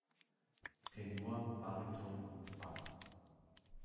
Tenor, Bariton und Bass.